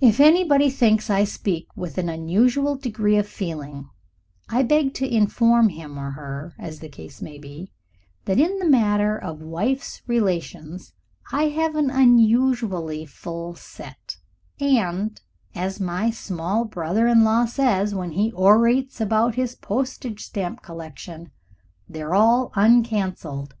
If anybody thinks I speak with an unusual degree of feeling, I beg to inform him or her, as the case may be, that in the matter of wife's relations I have an unusually full set, and, as my small brother in law says when he orates about his postage stamp collection, they're all uncancelled.